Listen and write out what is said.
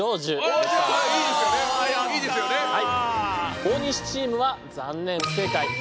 大西チームは残念不正解。